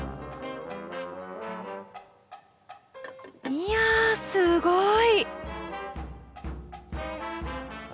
いやすごい！